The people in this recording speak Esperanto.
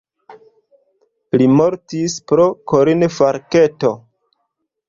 Li mortis pro korinfarkto.